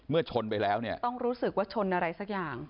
ชนไปแล้วเนี่ยต้องรู้สึกว่าชนอะไรสักอย่าง